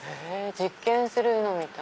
実験するのみたい。